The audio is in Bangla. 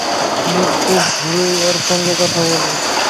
আমি খুব ভোরেই ওঁর সঙ্গে কথা বলব।